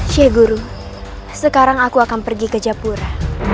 sye guru sekarang aku akan pergi ke japura